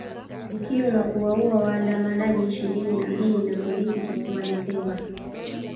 Tukio la kuuawa waandamanaji ishirini na mbili na polisi kisiwani Pemba